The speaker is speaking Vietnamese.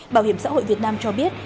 bảo hiểm xã hội việt nam cho biết